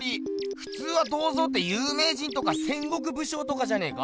ふつうは銅像ってゆうめい人とか戦国武将とかじゃねえか？